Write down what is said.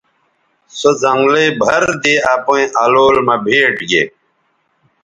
سو زنگلئ بَھر دے اپئیں الول مہ بھیٹ گے